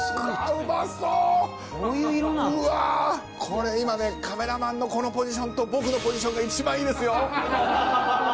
これ今ねカメラマンのこのポジションと僕のポジションが一番いいですよ。